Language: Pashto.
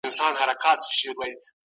روښانه فکر ځواک نه خرابوي.